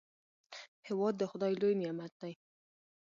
هېواد د خداي لوی نعمت دی.